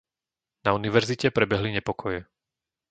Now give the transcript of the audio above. Na univerzite prebehli nepokoje.